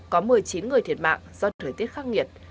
có một mươi chín người thiệt mạng do thời tiết khắc nghiệt